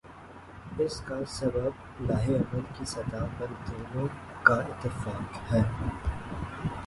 اس کا سبب لائحہ عمل کی سطح پر دونوں کا اتفاق ہے۔